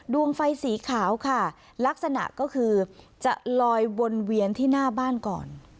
ดวงไฟสีขาวค่ะลักษณะก็คือจะลอยวนเวียนที่หน้าบ้านก่อน